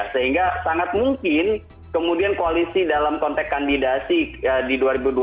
sehingga sangat mungkin kemudian koalisi dalam konteks kandidasi di dua ribu dua puluh